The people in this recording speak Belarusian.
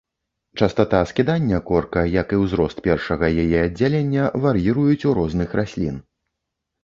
Частата скідання корка, як і ўзрост першага яе аддзялення, вар'іруюць у розных раслін.